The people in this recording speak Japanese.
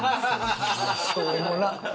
しょうもなっ。